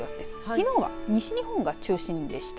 きのうは西日本が中心でした。